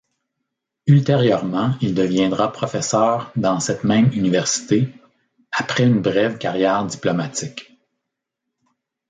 Ultérieurenent il deviendra professeur dans cette même université, après une brève carrière diplomatique.